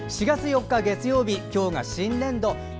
４月４日、月曜日今日が新年度。